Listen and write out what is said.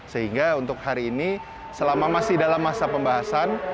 sehingga untuk hari ini selama masih dalam masa pembahasan